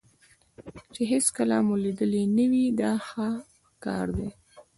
چې هېڅکله مو لیدلی نه وي دا ښه کار دی.